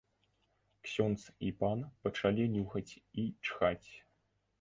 Ксёндз і пан пачалі нюхаць і чхаць.